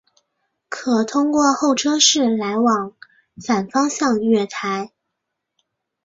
可通过候车室来往反方向月台。